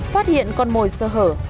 phát hiện con mồi sơ hở